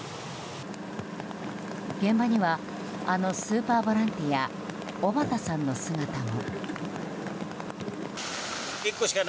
現場にはあのスーパーボランティア尾畠さんの姿も。